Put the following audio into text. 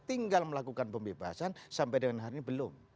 tinggal melakukan pembebasan sampai dengan hari ini belum